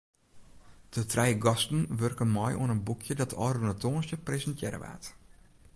De trije gasten wurken mei oan in boekje dat ôfrûne tongersdei presintearre waard.